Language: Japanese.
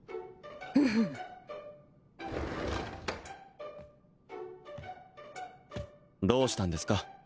フフンどうしたんですか？